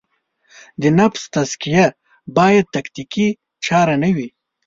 د نفس تزکیه باید تکتیکي چاره نه وي.